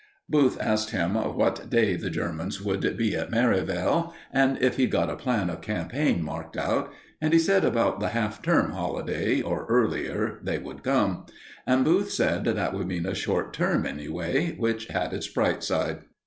Booth asked him what day the Germans would be at Merivale, and if he'd got a plan of campaign marked out; and he said about the half term holiday, or earlier, they would come. And Booth said that would mean a short term, anyway, which had its bright side.